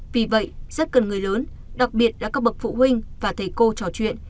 vì vậy rất cần người lớn đặc biệt là các bậc phụ huynh và thầy cô trò chuyện